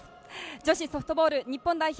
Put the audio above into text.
女子ソフトボール日本代表